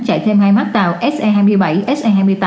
chạy thêm hai mắt tàu se hai mươi bảy se hai mươi tám